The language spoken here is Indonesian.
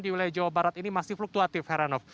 darurat ini masih fluktuatif